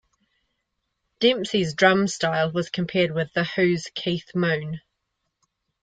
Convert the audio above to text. Demsey's drum style was compared with The Who's Keith Moon.